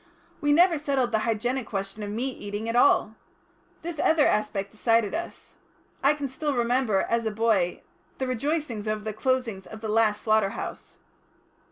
We never settled the hygienic question of meat eating at all. This other aspect decided us. I can still remember, as a boy, the rejoicings over the closing of the last slaughter house."